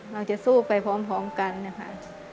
เราจะสู้ไปพร้อมกันนะคะ